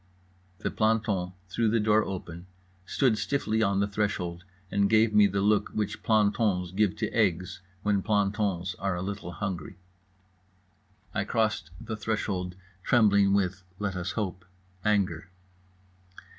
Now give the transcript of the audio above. _" The planton threw the door open, stood stiffly on the threshold, and gave me the look which plantons give to eggs when plantons are a little hungry. I crossed the threshold, trembling with (let us hope) anger.